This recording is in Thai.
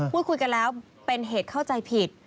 พูดคุยกันแล้วเป็นเหตุเข้าใจผิด